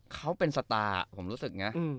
เขาเป็นสตาร์ผมรู้สึกนะ